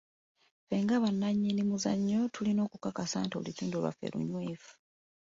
Ffe nga bannannyini muzannyo tulina okukakasa nti olutindo lwaffe lunywevu.